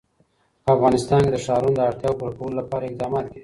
په افغانستان کې د ښارونه د اړتیاوو پوره کولو لپاره اقدامات کېږي.